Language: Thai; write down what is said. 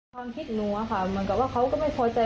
ความคิดหนูอะค่ะเหมือนกับว่าเขาก็ไม่พอใจ